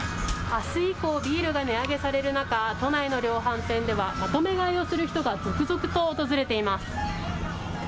あす以降、ビールが値上げされる中、都内の量販店では、まとめ買いをする人が続々と訪れています。